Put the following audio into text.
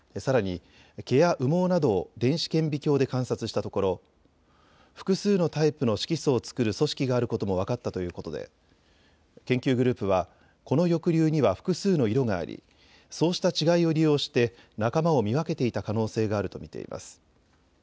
さらに毛や羽毛などを電子顕微鏡で観察したところ複数のタイプの色素を作る組織があることも分かったということで研究グループはこの翼竜には複数の色があり、そうした違いを利用して仲間を見分けていた可能性があると見ています。